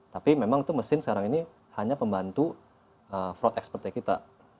tapi memang itu mesin sekarang ini hanya pembantu fraud expertnya kita